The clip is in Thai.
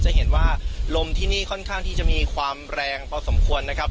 จะเห็นว่าลมที่นี่ค่อนข้างที่จะมีความแรงพอสมควรนะครับ